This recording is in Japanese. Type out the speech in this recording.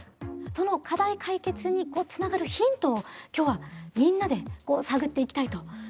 その課題解決につながるヒントを今日はみんなで探っていきたいというふうに思います。